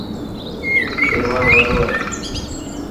اي وڻ وڏو هي.